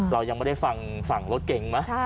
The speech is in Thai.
เรายังไม่ได้ฟังฟั่งรถเกงมั้ย